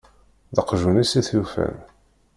D aqjun-is i t-yufan.